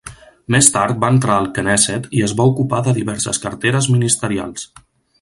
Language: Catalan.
Més tard va entrar al Kenésset i es va ocupar de diverses carteres ministerials.